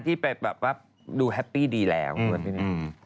ที่ไปรับดูแฮปปี้ดีแหลกุอนเลย